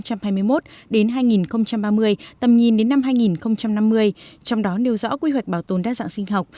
tầm nhìn đến năm hai nghìn năm mươi trong đó nêu rõ quy hoạch bảo tồn đa dạng sinh học